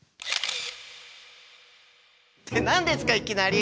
って何ですかいきなり！